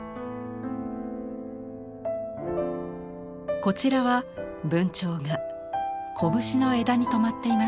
こちらは文鳥がこぶしの枝に止まっています。